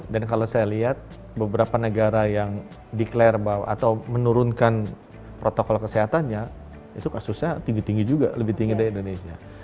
dan kalau saya lihat beberapa negara yang declare bahwa atau menurunkan protokol kesehatannya itu kasusnya tinggi tinggi juga lebih tinggi dari indonesia